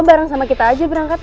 lo bareng sama kita aja berangkat ya